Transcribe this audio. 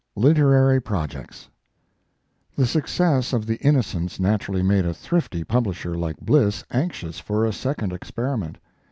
LITERARY PROJECTS The success of the Innocents naturally made a thrifty publisher like Bliss anxious for a second experiment.